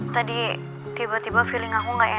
tadi tiba tiba feeling aku gak enak soal papa